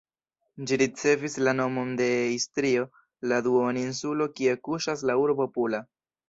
Ĝi ricevis la nomon de Istrio, la duoninsulo kie kuŝas la urbo Pula.